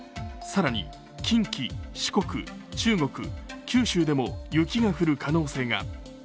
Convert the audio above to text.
更に近畿、四国、中国、九州でも雪が降る可能性が。